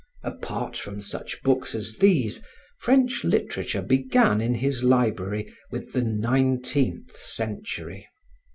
Apart from such books as these, French literature began in his library with the nineteenth century.